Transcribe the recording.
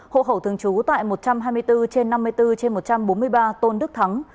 hộ khẩu thường trú tại một trăm hai mươi bốn trên năm mươi bốn trên một trăm bốn mươi ba tôn đức thắng